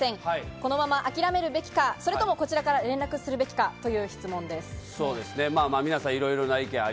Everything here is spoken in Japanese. このまま諦めるべきか、こちらから連絡するべきかという質問です。